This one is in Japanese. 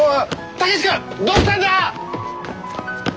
武志君どうしたんだ！？